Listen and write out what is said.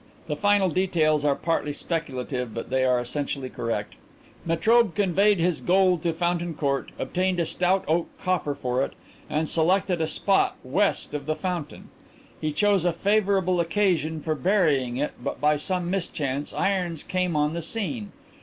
The final details are partly speculative but they are essentially correct. Metrobe conveyed his gold to Fountain Court, obtained a stout oak coffer for it, and selected a spot west of the fountain. He chose a favourable occasion for burying it, but by some mischance Irons came on the scene.